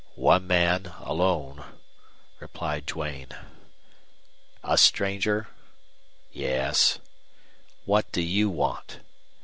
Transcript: "One man alone," replied Duane. "A stranger?" "Yes." "What do you want?"